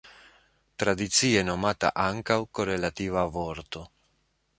Tradicie nomata ankaŭ korelativa vorto.